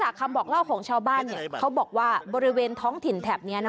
ของชาวบ้านเนี่ยเขาบอกว่าบริเวณท้องถิ่นแถบเนี่ยนะ